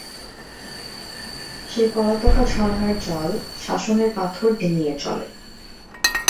সে পলাতকা ঝরনার জল, শাসনের পাথর ডিঙিয়ে চলে।